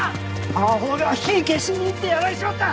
あほが火消しに行ってやられちまった！